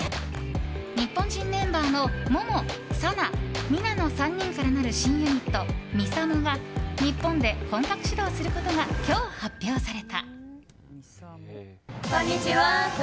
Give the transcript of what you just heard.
日本人メンバーのモモ、サナ、ミナの３人からなる新ユニット、ＭＩＳＡＭＯが日本で本格始動することが今日発表された。